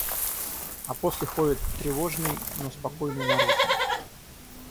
А после ходит тревожный, но спокойный наружно.